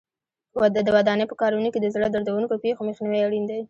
د ودانۍ په کارونو کې د زړه دردوونکو پېښو مخنیوی اړین دی.